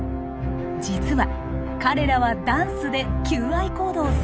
実は彼らはダンスで求愛行動をするんです。